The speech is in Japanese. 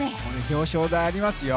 表彰台ありますよ。